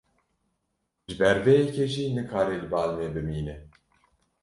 Ji ber vê yekê jî nikare li bal me bimîne.